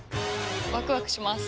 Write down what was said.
ワクワクします。